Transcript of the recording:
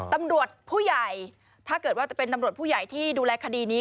ตำรวจผู้ใหญ่ถ้าเกิดว่าจะเป็นตำรวจผู้ใหญ่ที่ดูแลคดีนี้